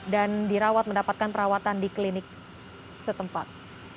dan dirawat mendapatkan perawatan di klinik setempat